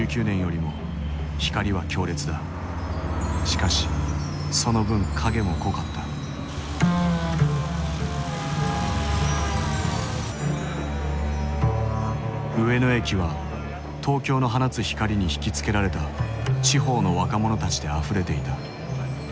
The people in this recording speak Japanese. しかしその分影も濃かった上野駅は東京の放つ光に引き付けられた地方の若者たちであふれていた。